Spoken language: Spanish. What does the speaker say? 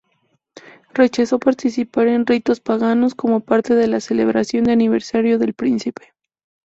Rechazó participar en ritos paganos como parte de la celebración de aniversario del príncipe.